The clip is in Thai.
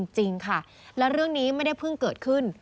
จริงค่ะและเรื่องนี้ไม่ได้เพิ่งเกิดขึ้น